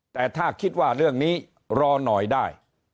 แต่ถ้าคิดว่าเรื่องนี้รอหน่อยได้